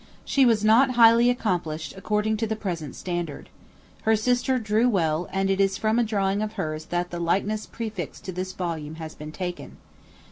She was not highly accomplished according to the present standard. Her sister drew well, and it is from a drawing of hers that the likeness prefixed to this volume has been taken.